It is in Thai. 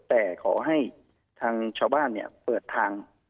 แต่ขอให้ทางชาวบ้านเปิดทาง